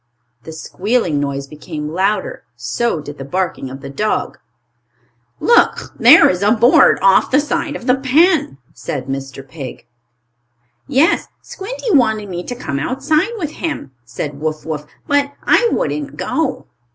The squealing noise became louder. So did the barking of the dog. "Look, there is a board off the side of the pen," said Mr. Pig. "Yes, Squinty wanted me to come outside with him," said Wuff Wuff. "But I wouldn't go."